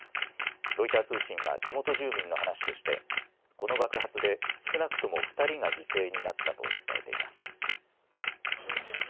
ロイター通信は地元住民の話としてこの爆発で少なくとも２人が犠牲になったと伝えています。